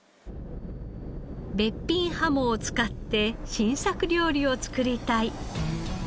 べっぴんハモを使って新作料理を作りたい。